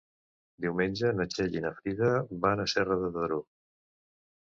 Diumenge na Txell i na Frida van a Serra de Daró.